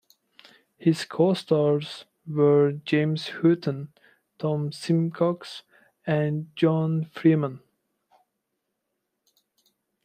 His co-stars were James Houghton, Tom Simcox, and Joan Freeman.